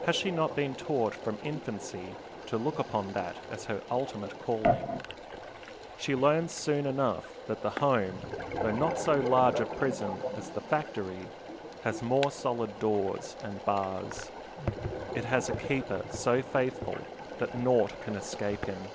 Has she not been taught from infancy to look upon that as her ultimate calling? She learns soon enough that the home, though not so large a prison as the factory, has more solid doors and bars. It has a keeper so faithful that naught can escape him.